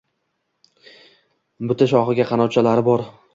Buta shoxiga qanotchalari bor.